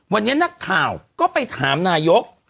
วันนี้นักข่าวก็ไปถามนายก